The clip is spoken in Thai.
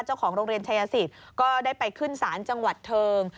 เจ้าของโรงเรียนชายสิทธิ์ก็ได้ไปขึ้นศาลจังหวัดเทิง